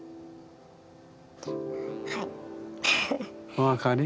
お分かり？